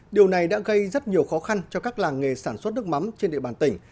điều này đã gây rất nhiều khó khăn cho các làng nghề sản xuất nước mắm trên địa bàn tỉnh